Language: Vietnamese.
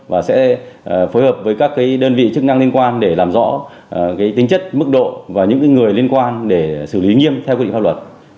và sẽ phối hợp với các đơn vị chức năng liên quan để làm rõ tính chất mức độ và những người liên quan để xử lý nghiêm theo quy định pháp luật